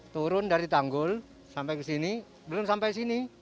turun dari tanggul sampai ke sini belum sampai sini